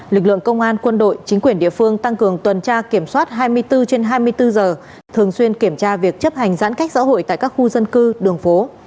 lực lượng công an quân đội chính quyền địa phương tăng cường tuần tra kiểm soát hai mươi bốn trên hai mươi bốn giờ thường xuyên kiểm tra việc chấp hành giãn cách xã hội tại các khu dân cư đường phố